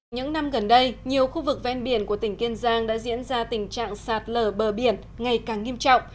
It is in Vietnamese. những năm gần đây nhiều khu vực ven biển của tỉnh kiên giang đã diễn ra tình trạng sạt lở bờ biển ngày càng nghiêm trọng